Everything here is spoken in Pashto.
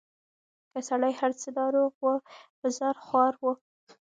که سړی هر څه ناروغ وو په ځان خوار وو